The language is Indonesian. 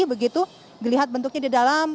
begitu dilihat bentuknya di dalam